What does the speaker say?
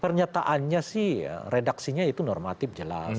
pernyataannya sih redaksinya itu normatif jelas